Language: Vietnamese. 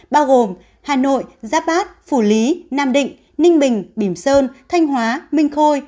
bao gồm hà nội giáp bát phủ lý nam định ninh bình bìm sơn thanh hóa minh khôi